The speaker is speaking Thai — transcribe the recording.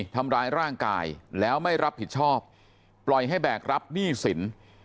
ทำร้ายร่างกายแล้วไม่รับผิดชอบปล่อยให้แบกรับหนี้สิน